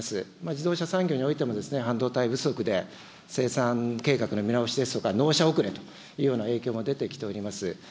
自動車産業においても、半導体不足で生産計画の見直しです、納車遅れというような影響が出てきております。